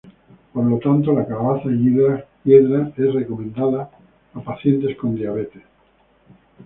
Por lo tanto, la calabaza hiedra es recomendada a pacientes con diabetes.